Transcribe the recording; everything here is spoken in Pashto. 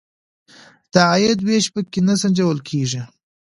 د عاید وېش په کې نه سنجول کیږي.